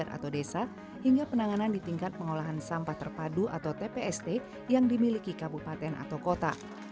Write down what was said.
penanganan di tempat pembuangan banjar atau desa hingga penanganan di tingkat pengolahan sampah terpadu atau tpst yang dimiliki kabupaten atau kota